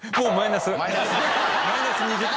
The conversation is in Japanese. マイナス２０点。